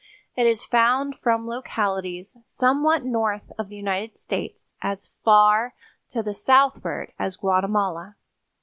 It is found from localities somewhat north of the United States as far to the southward as Guatemala.